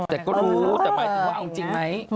แต่ก็รู้แต่หมายถึงว่าเอาจริงไหม